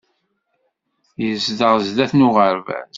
Yezdeɣ sdat n uɣerbaz